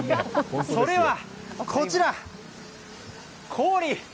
それはこちら、氷。